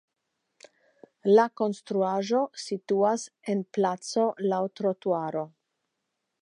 La konstruaĵo situas en placo laŭ trotuaro.